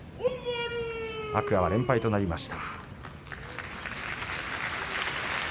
天空海は連敗となりました。